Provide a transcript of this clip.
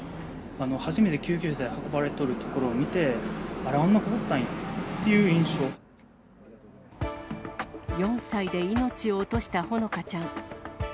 初めて救急車で運ばれとるところを見て、あれ、４歳で命を落としたほのかちゃん。